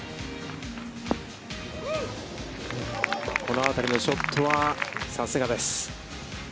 このあたりのショットは、さすがです。